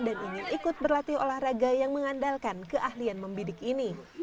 dan ingin ikut berlatih olahraga yang mengandalkan keahlian membidik ini